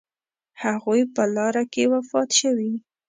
هغوی په لاره کې وفات شوي.